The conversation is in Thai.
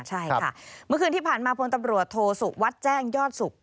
ใช่ค่ะเมื่อคืนที่ผ่านมาพลตำรวจโทสุวัสดิ์แจ้งยอดสุข